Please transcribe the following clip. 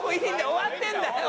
終わってるんだよ！